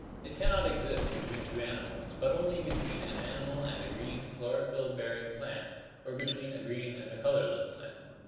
It can not exist between two animals but only between an animal and a green, chlorophyl bearing plant or between a green and a colorless plant.